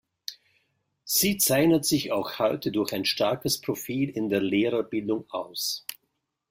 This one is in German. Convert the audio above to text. Sie zeichnet sich auch heute durch ein starkes Profil in der Lehrerbildung aus.